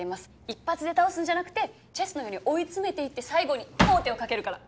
一発で倒すんじゃなくてチェスのように追い詰めていって最後に王手をかけるから！